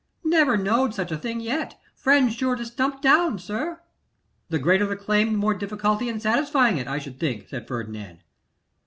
Never knowed such a thing yet. Friends sure to stump down, sir.' 'The greater the claim, the more difficulty in satisfying it, I should think,' said Ferdinand.